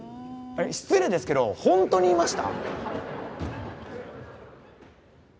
失礼ですけどホントにいました？